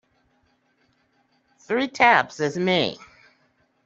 Three taps is me.